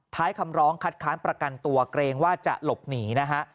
ท้ายคำร้องคัดค้านประกันตัวเกรงว่าจะหลบหนีนะฮะ